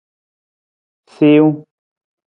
Siwung.